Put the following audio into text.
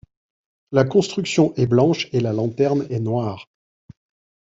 La construction est blanche et la lanterne est noire.